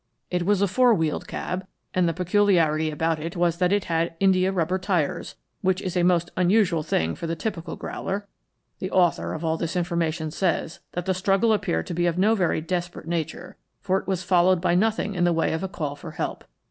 It was a four wheeled cab, and the peculiarity about it was that it had india rubber tires, which is a most unusual thing for the typical growler. The author of all this information says that the struggle appeared to be of no very desperate nature, for it was followed by nothing in the way of a call for help.